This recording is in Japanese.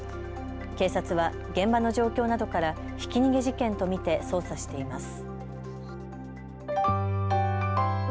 警察は現場の状況などからひき逃げ事件と見て捜査しています。